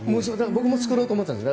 僕も作ろうと思っていたんです。